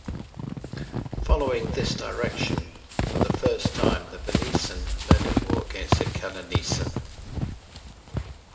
Following this direction, for the first time the Venneesan led a war against Kalineesan.